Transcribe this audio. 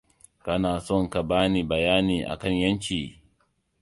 Kana son ka bani bayani akan yanci?